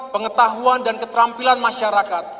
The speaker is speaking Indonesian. pengetahuan dan keterampilan masyarakat